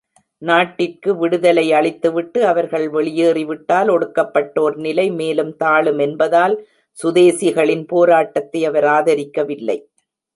நாட்டிற்கு விடுதலை அளித்துவிட்டு அவர்கள் வெளியேறிவிட்டால் ஒடுக்கப்பட்டோர் நிலை மேலும் தாழும் என்பதால் சுதேசிகளின் போராட்டத்தை அவர் ஆதரிக்கவில்லை.